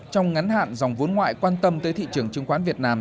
trong ngắn hạn dòng vốn ngoại quan tâm tới thị trường chứng khoán việt nam